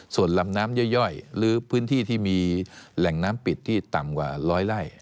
ส่วนลำน้ำย่อยหรือพื้นที่ที่มีแหล่งน้ำปิดที่ต่ำกว่าร้อยไล่